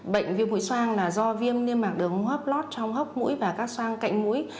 bệnh viêm mũi xoang là do viêm niêm mạc đường hấp lót trong hấp mũi và các xoang cạnh mũi